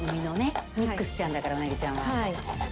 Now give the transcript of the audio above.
ミックスちゃんだからウナギちゃんは。